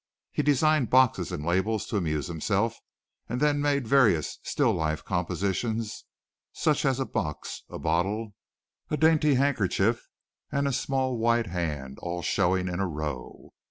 He designed boxes and labels to amuse himself and then made various still life compositions such as a box, a bottle, a dainty handkerchief and a small white hand all showing in a row.